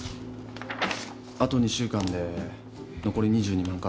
あと２週間で残り２２万株。